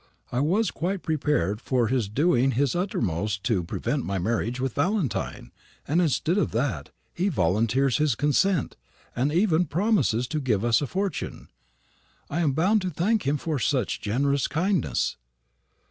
"I was quite prepared for his doing his uttermost to prevent my marriage with Valentine; and instead of that, he volunteers his consent, and even promises to give us a fortune. 'I am bound to thank him for such generous kindness."